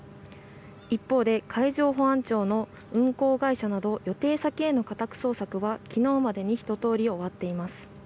一方で、海上保安庁の運航会社など予定先への家宅捜索は昨日までにひととおり終わっています。